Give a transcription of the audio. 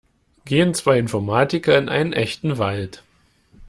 Gehen zwei Informatiker in einen echten Wald.